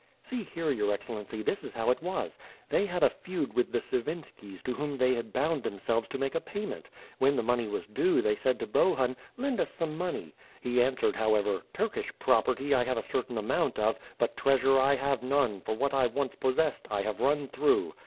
"See here, your Excellency, this is how it was: They had a feud with the Sivinskis to whom they had bound them selves to make a payment. When the money was due, they said to Bohun: "Lend us some money!' He answered how ever, 'Turkish property' I have a certain amount of, but treavS ure I have none; for what I once possessed, I have run through.